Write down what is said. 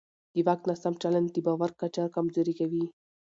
د واک ناسم چلند د باور کچه کمزوری کوي